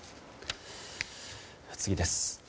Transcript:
次です。